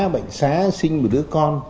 bệnh xá sinh một đứa con